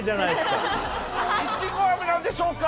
イチゴ飴なんでしょうか？